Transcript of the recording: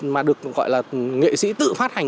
mà được gọi là nghệ sĩ tự phát hành